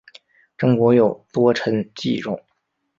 郑国有名臣祭仲。